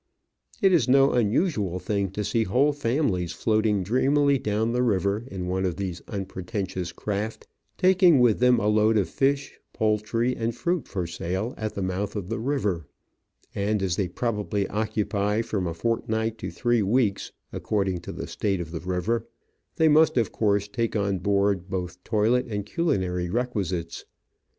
It is no unusual thing to see whole families floating dreamily down the river in one of these unpretentious craft, taking with them a load of fish, poultry, and fruit for sale at the mouth of the river ; and as they probably occupy from a fortnight to three weeks, according to the state of the river, they must of course take on board both toilet and culinary requisites.